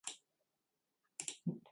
Nottage lay just outside it.